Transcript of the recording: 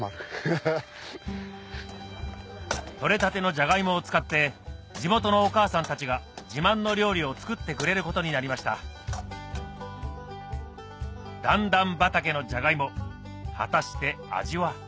取れたてのジャガイモを使って地元のお母さんたちが自慢の料理を作ってくれることになりました段々畑のジャガイモ果たして味は？